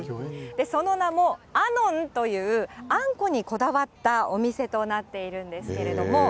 その名も、あのんというあんこにこだわったお店となっているんですけれども。